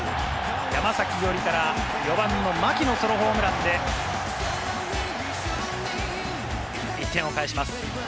山崎伊織から４番・牧のソロホームランで１点をかえします。